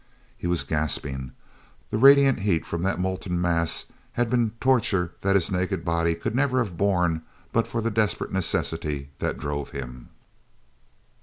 He was gasping. The radiant heat from that molten mass had been torture that his naked body could never have borne but for the desperate necessity that drove him.